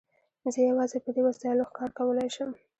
زه یوازې په دې وسایلو ښکار کولای شم.